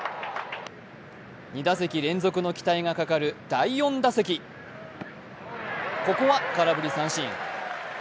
２打席連続の期待がかかる第４打席、ここは空振り三振。